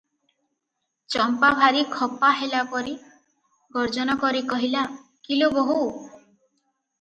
ଚମ୍ପା ଭାରି ଖପା ହେଲାପରି ଗର୍ଜନ କରି କହିଲା, "କି ଲୋ ବୋହୂ!